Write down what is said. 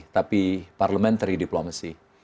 tapi parliamentary diplomacy